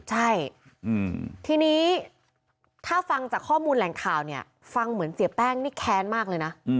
ใช่ทีนี้ถ้าฟังจากข้อมูลแหล่งข่าวเนี่ยฟังเหมือนเสียแป้งนี่แค้นมากเลยนะ